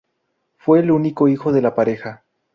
Fue el único hijo de la pareja.